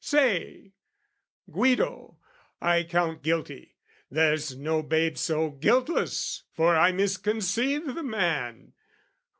Say, Guido, I count guilty, there's no babe So guiltless, for I misconceive the man!